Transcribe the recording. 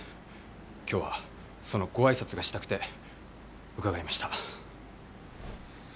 今日はそのご挨拶がしたくて伺いました。